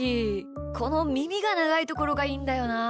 このみみがながいところがいいんだよな。